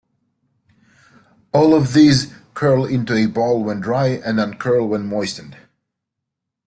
All of these curl into a ball when dry and uncurl when moistened.